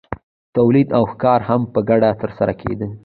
تولید او ښکار هم په ګډه ترسره کیده.